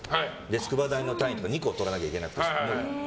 筑波大の単位とかとらないといけなくて。